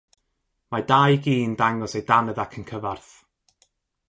Mae dau gi'n dangos eu dannedd ac yn cyfarth.